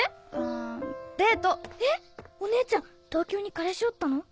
お姉ちゃん東京に彼氏おったの？